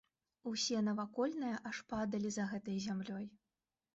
Усе навакольныя аж падалі за гэтай зямлёй.